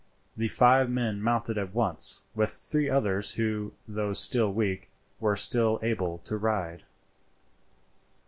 The five men mounted at once, with three others who, though still weak, were still able to ride.